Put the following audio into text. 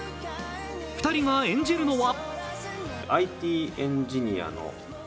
２人が演じるのは？